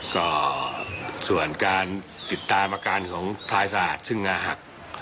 ก็ส่วนการติดตามอาการของพลายสะอาดซึ่งนาหัก